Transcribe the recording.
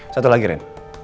satu lagi ren